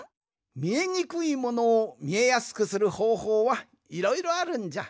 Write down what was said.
みえにくいものをみえやすくするほうほうはいろいろあるんじゃ。